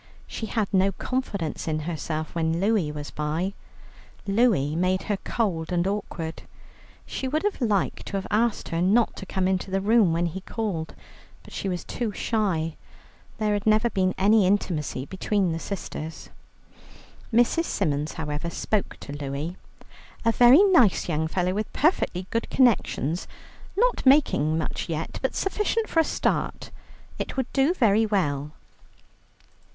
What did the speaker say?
She had no confidence in herself when Louie was by. Louie made her cold and awkward. She would have liked to have asked her not to come into the room when he called, but she was too shy; there had never been any intimacy between the sisters. Mrs. Symons however, spoke to Louie. "A very nice young fellow, with perfectly good connections, not making much yet, but sufficient for a start. It would do very well."